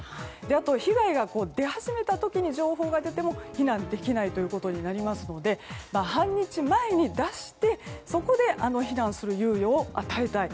あと、被害が出始めた時に情報が出ても避難できないということになりますので半日前に出してそこで避難する猶予を与えたい。